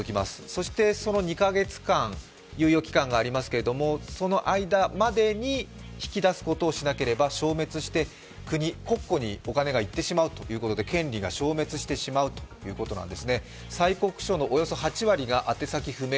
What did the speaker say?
そしてその２か月間、猶予期間がありますけれどもその間までに引き出すことをしなければ消滅して国、国庫にお金がいってしまうということで、権利が消滅してしまうということなんですね。